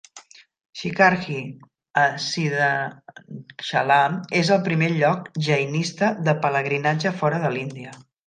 Shikharji a Siddhachalam és el primer lloc jainista de pelegrinatge fora de l'Índia.